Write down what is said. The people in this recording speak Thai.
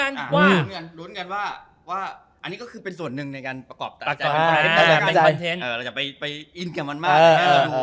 อันนี้ก็เป็นส่วนหนึ่งในการประกอบแต่อาจจะไปอินกับมันมาก